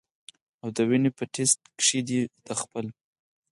او د وینې پۀ ټېسټ کښې دې د خپل